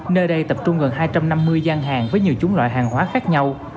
nơi đây tập trung gần hai trăm năm mươi gian hàng với nhiều chủng loại hàng hóa khác nhau